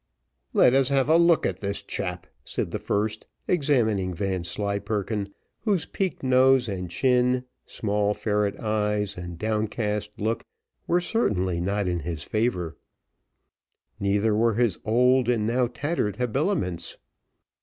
"Let us have a look at this chap," said the first, examining Vanslyperken, whose peaked nose and chin, small ferret eyes, and downcast look were certainly not in his favour; neither were his old and now tattered habiliments.